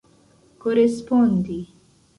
korespondi